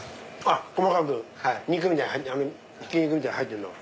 細かくひき肉みたいに入ってるのが。